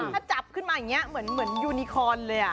ถ้าจับขึ้นมาอย่างนี้เหมือนยูนิคอนเลย